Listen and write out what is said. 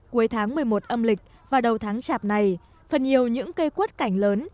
cuối tháng một mươi một âm lịch và đầu tháng chạp này phần nhiều những cây quất cảnh lớn